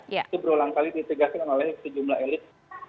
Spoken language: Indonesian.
itu berulang kali ditegaskan oleh sejumlah elit